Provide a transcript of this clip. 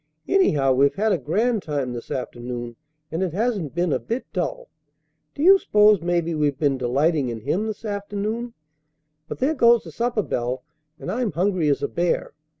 "Anyhow, we've had a grand time this afternoon, and it hasn't been a bit dull. Do you suppose maybe we've been 'delighting' in Him this afternoon? But there goes the supper bell, and I'm hungry as a bear.